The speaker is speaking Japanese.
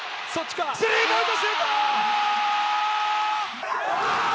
スリーポイントシュート！